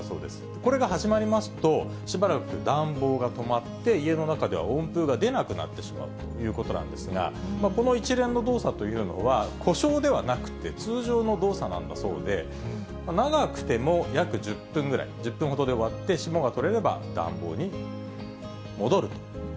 これが始まりますと、しばらく暖房が止まって、家の中では温風が出なくなってしまうということなんですが、この一連の動作というのは、故障ではなくて、通常の動作なんだそうで、長くても約１０分ぐらい、１０分ほどで終わって、霜が取れれば暖房に戻ると。